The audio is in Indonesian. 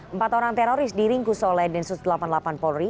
empat orang teroris diringkus oleh densus delapan puluh delapan polri